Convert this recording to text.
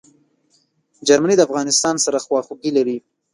جرمني د افغانستان سره خواخوږي لري.